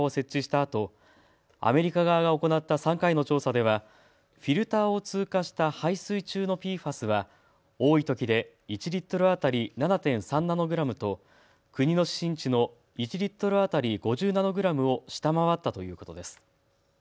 あとアメリカ側が行った３回の調査ではフィルターを通過した排水中のＰＦＡＳは多いときで１リットル当たり７．３ナノグラムと国の指針値の１リットル当たり５０ナノグラムを下回ったということです。